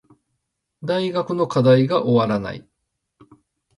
大学の課題が終わらない